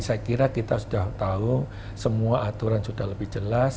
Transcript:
saya kira kita sudah tahu semua aturan sudah lebih jelas